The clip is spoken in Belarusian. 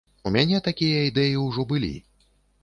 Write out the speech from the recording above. У мяне такія ідэі ўжо былі.